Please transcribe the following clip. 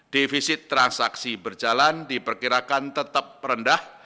defisit transaksi berjalan diperkirakan tetap rendah